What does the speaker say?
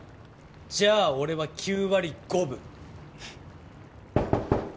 じゃあ俺は９割５分。